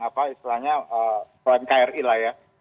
apa istilahnya umkm kri lah ya